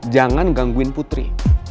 jangan gangguin putri